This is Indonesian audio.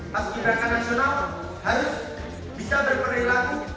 masjid rakyat nasional harus bisa berperilaku